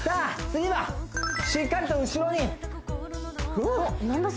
次はしっかりと後ろに何だ？